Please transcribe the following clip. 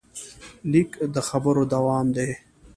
لیک د خبرو دوام دی.